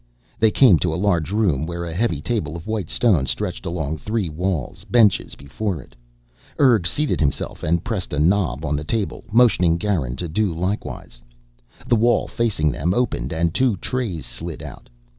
They came to a large room where a heavy table of white stone stretched along three walls, benches before it. Urg seated himself and pressed a knob on the table, motioning Garin to do likewise. The wall facing them opened and two trays slid out.